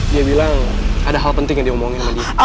dia bilang ada hal penting yang diomongin sama dia